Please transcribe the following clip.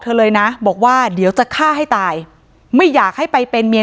เลยนะบอกว่าเดี๋ยวจะฆ่าให้ตายไม่อยากให้ไปเป็นเมีย